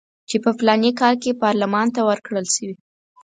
چې په فلاني کال کې پارلمان ته ورکړل شوي.